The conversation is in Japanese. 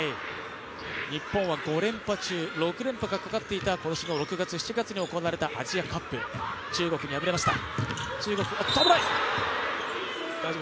日本は５連覇中、６連覇がかかっていた今年の６月、７月に行われていたアジアカップ、中国に敗れました。